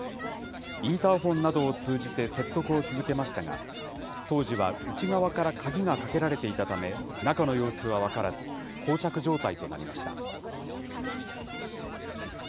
インターフォンなどを通じて説得を続けましたが、当時は内側から鍵が掛けられていたため、中の様子は分からず、こう着状態となりました。